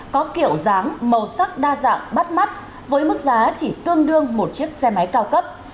có kiểu dáng màu sắc đa dạng bắt mắt với mức giá chỉ tương đương một chiếc xe máy cao cấp